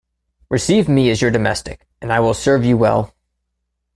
Receive me as your domestic, and I will serve you well.